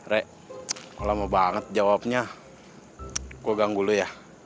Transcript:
rek lama banget jawabnya gue ganggu lu ya